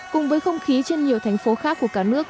cùng với không khí trên nhiều thành phố khác của cả nước